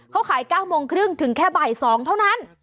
เขาขาย๙โมงครึ่งถึงแค่บ่าย๒เท่านั้น